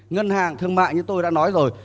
ngân hàng thương mại như tôi đã nói rồi